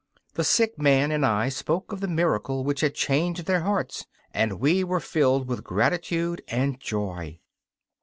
The sick man and I spoke of the miracle which had changed their hearts, and we were filled with gratitude and joy.